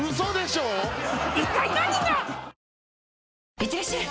いってらっしゃい！